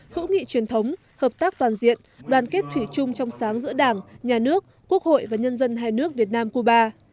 hữu nghị truyền thống hợp tác toàn diện đoàn kết thủy chung trong sáng giữa đảng nhà nước quốc hội và nhân dân hai nước việt nam cuba